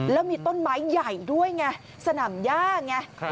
แล้วมีต้นไม้ใหญ่ด้วยไงสนามย่าไง